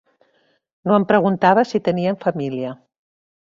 No em preguntava si tenien família.